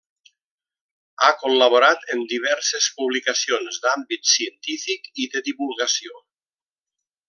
Ha col·laborat en diverses publicacions d'àmbit científic i de divulgació.